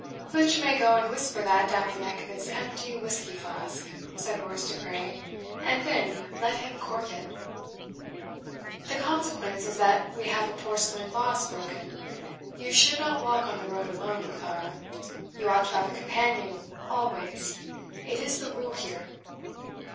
"Flitch may go and whisper that down the neck of his empty whisky flask," said Horace De Craye. "And then let him cork it." "The consequence is that we have a porcelain vase broken. You should not walk on the road alone, Clara. You ought to have a companion, always. It is the rule here."